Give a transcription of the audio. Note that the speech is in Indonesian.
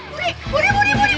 budi budi budi budi